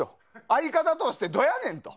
相方としてどうやねんと。